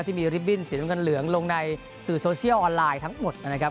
ที่มีริบบิ้นสีน้ำเงินเหลืองลงในสื่อโซเชียลออนไลน์ทั้งหมดนะครับ